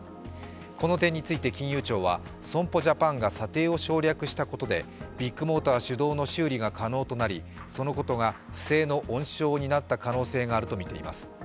この点について金融庁は、損保ジャパンが査定を省略したことでビッグモーター主導の修理が可能となりそのことが不正の温床になった可能性があるとみています。